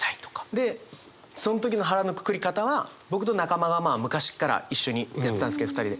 でその時の腹のくくり方は僕と中間がまあ昔っから一緒にやってたんですけど２人で。